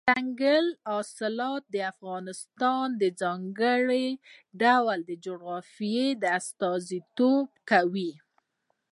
دځنګل حاصلات د افغانستان د ځانګړي ډول جغرافیه استازیتوب کوي.